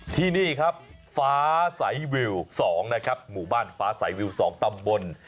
ที่นี่ครับฟ้าสายวิว๒นะครับหมู่บ้านฟ้าสายวิว๒ตำบล